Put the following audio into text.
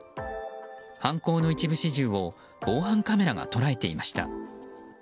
犯行の一部始終を防犯カメラが捉えていました。